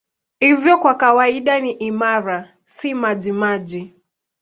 Hivyo kwa kawaida ni imara, si majimaji.